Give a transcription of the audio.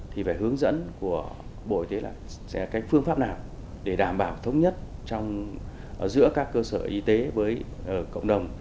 thì phải hướng dẫn của bộ y tế là cái phương pháp nào để đảm bảo thống nhất giữa các cơ sở y tế với cộng đồng